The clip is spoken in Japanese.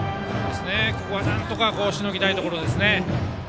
ここはなんとかしのぎたいところですね。